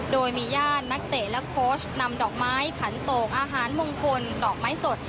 โดยมีญาตินักเตะและโค้ชนำดอกไม้ขันโตกอาหารมงคลดอกไม้สด